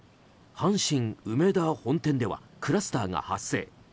阪神梅田本店ではクラスターが発生。